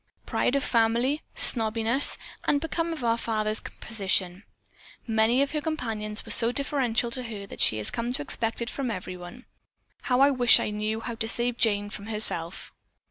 Pride of family, snobbishness, and because of our father's position, many of her companions were so deferential to her that she has come to expect it from everyone. How I wish I knew how to save Jane from herself."